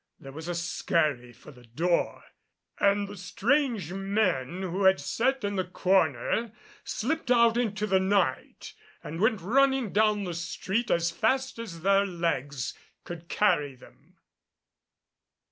There was a skurry for the door and the strange men who had sat in the corner slipped out into the night and went running down the street as fast as their legs could carry them.